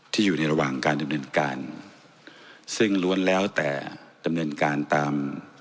อยู่ในระหว่างการดำเนินการซึ่งล้วนแล้วแต่ดำเนินการตาม